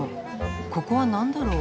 ここはなんだろう？